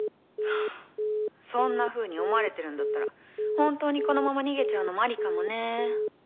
「そんなふうに思われてるんだったら本当にこのまま逃げちゃうのもありかもね」